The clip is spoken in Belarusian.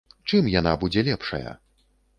Чым яна будзе лепшая?